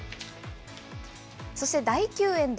そして第９エンド。